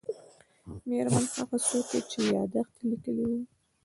مېړنی هغه څوک و چې یادښت یې لیکلی و.